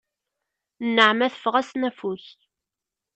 Nneɛma teffeɣ-asen afus.